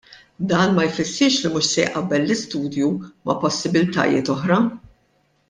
Dan ma jfissirx li mhux se jqabbel l-istudju ma' possibbiltajiet oħra.